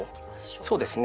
そうですね。